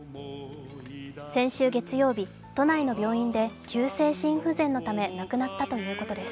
先週月曜日、都内の病院で急性心不全のため亡くなったということです。